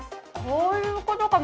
こういうことか！